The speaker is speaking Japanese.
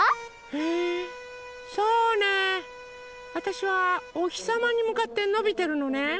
そうねえわたしはおひさまにむかってのびてるのね。